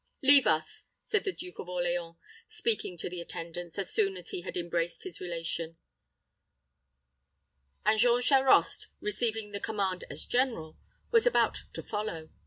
"Leave us," said the Duke of Orleans, speaking to the attendants, as soon as he had embraced his relation; and Jean Charost, receiving the command as general, was about to follow.